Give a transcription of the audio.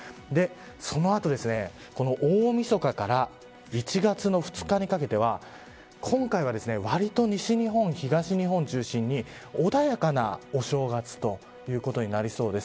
その後、大みそかから１月２日にかけては今回はわりと西日本、東日本中心に穏やかなお正月ということになりそうです。